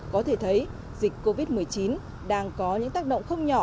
có thể thấy dịch covid một mươi chín đang có những tác động không nhỏ